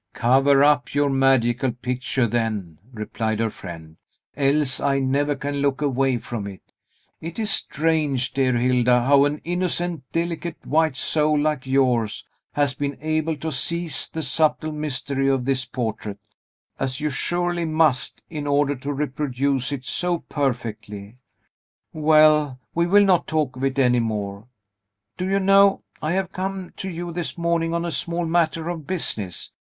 "Cover up your magical picture, then," replied her friend, "else I never can look away from it. It is strange, dear Hilda, how an innocent, delicate, white soul like yours has been able to seize the subtle mystery of this portrait; as you surely must, in order to reproduce it so perfectly. Well; we will not talk of it any more. Do you know, I have come to you this morning on a small matter of business.